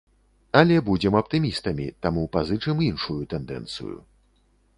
Але будзем аптымістамі, таму пазычым іншую тэндэнцыю.